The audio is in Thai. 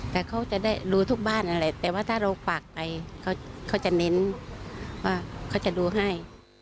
แต่เขาจะได้รู้ทุกบ้านอะไรแต่ว่าถ้าเราฝากไปเขาจะเน้นว่าเขาจะดูให้